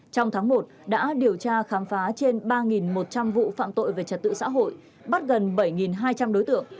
trong tháng một đã điều tra khám phá trên ba một trăm linh vụ phạm tội về trật tự xã hội bắt gần bảy hai trăm linh đối tượng